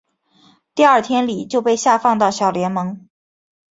第二天李就被下放到小联盟。